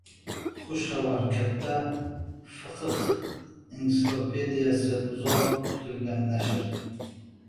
Xushxabar: “Katta fiqh entsiklopediyasi” – uzoq kutilgan nashr...